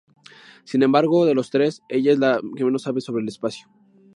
Sin embargo, de los tres, ella es la que menos sabe sobre el espacio.